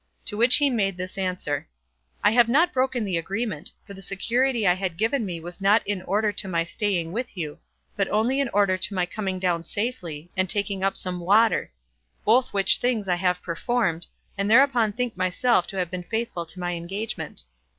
To which he made this answer: "I have not broken the agreement; for the security I had given me was not in order to my staying with you, but only in order to my coming down safely, and taking up some water; both which things I have performed, and thereupon think myself to have been faithful to my engagement."